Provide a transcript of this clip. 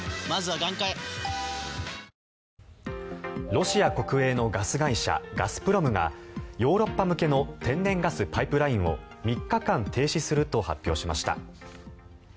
ロシア国営のガス会社ガスプロムがヨーロッパ向けの天然ガスパイプラインを３日間停止すると発表しました。